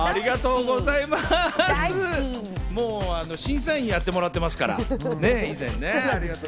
以前、審査員やってもらってますからね。